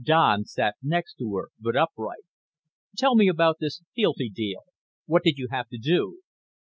Don sat next to her, but upright. "Tell me about this fealty deal. What did you have to do?"